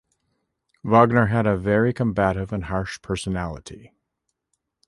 Wagner had a very combative and harsh personality.